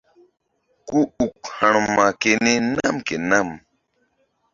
Ku uk ha̧rma keni nam ke nam.